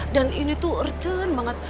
dan ini tuh urgent banget